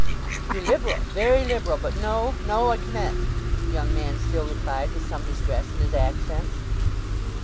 "You're liberal—very liberal, but no, no—I cannet!" the young man still replied, with some distress in his accents.